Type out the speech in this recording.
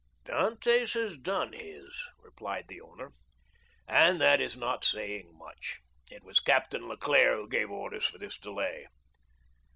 "Dantès has done his," replied the owner, "and that is not saying much. It was Captain Leclere who gave orders for this delay."